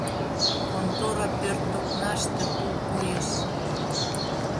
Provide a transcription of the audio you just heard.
Контора пӧрт окнаште тул коеш.